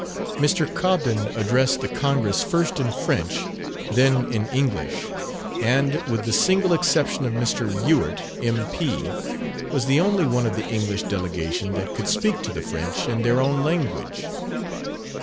Mr. Cobden addressed the Congress first in French, then in English; and, with the single exception of Mr. Ewart, M.P., was the only one of the English delegation that could speak to the French in their own language.